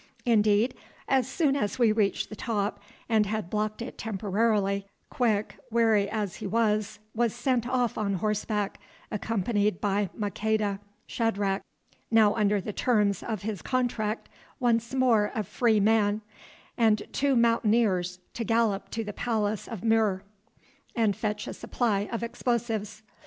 Indeed, as soon as we reached the top and had blocked it temporarily, Quick, weary as he was, was sent off on horseback, accompanied by Maqueda, Shadrach, now under the terms of his contract once more a free man, and two Mountaineers, to gallop to the palace of Mur, and fetch a supply of explosives.